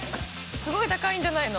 すごい高いんじゃないの？